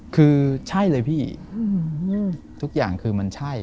คือใช่เลยพี่ทุกอย่างคือมันใช่